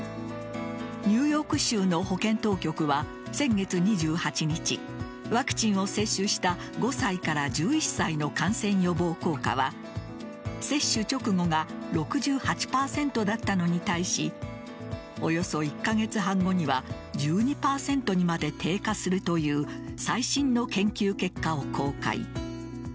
ニューヨーク州の保健当局は先月２８日ワクチンを接種した５歳から１１歳の感染予防効果は接種直後が６８％だったのに対しおよそ１カ月半後には１２％にまで低下するという最新の研究結果を公開。